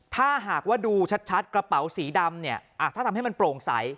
ถ้าหากว่าดูชัดกระเป๋าสีดำเนี่ยถ้าทำให้มันโปร่งใส